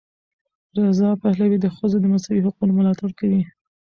رضا پهلوي د ښځو د مساوي حقونو ملاتړ کوي.